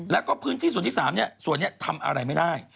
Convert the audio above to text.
แล้วก็พื้นที่ส่วนที่๓ส่วนนี้ทำอะไรไม่ได้